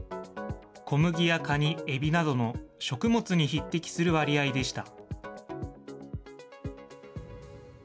小麦やカニ、エビなどの食物に匹敵する割合でした。